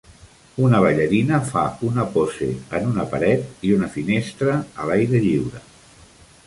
Una ballarina fa una pose en una paret i una finestra a l'aire lliure.